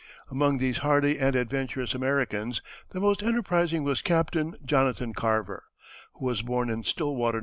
Among these hardy and adventurous Americans the most enterprising was Captain Jonathan Carver, who was born in Stillwater, N.